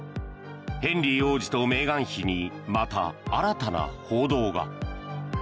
ヘンリー王子とメーガン妃にまた新たな報道が。